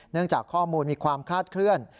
เนื่องจากข้อมูลมีความคาดเคลื่อน